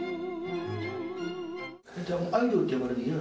アイドルって呼ばれるの嫌だ